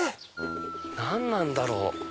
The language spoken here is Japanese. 何なんだろう？